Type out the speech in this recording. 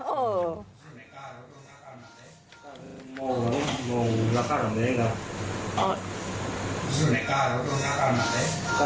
แล้วตอนนั้นมีใครเห็นมางอนกับเจ้าเองครับ